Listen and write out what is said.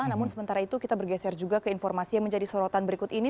namun sementara itu kita bergeser juga ke informasi yang menjadi sorotan berikut ini